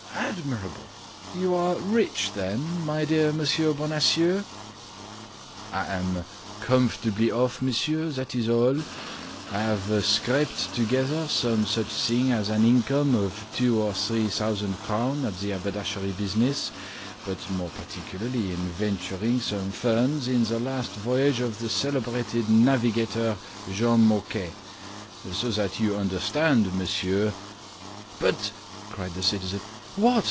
"Admirable! You are rich then, my dear Monsieur Bonacieux?" "I am comfortably off, monsieur, that's all; I have scraped together some such things as an income of two or three thousand crowns in the haberdashery business, but more particularly in venturing some funds in the last voyage of the celebrated navigator Jean Moquet; so that you understand, monsieur—But!—" cried the citizen. "What!"